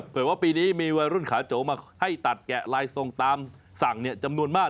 ว่าปีนี้มีวัยรุ่นขาโจมาให้ตัดแกะลายทรงตามสั่งจำนวนมาก